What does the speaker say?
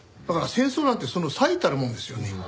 だから戦争なんてその最たるものですよね。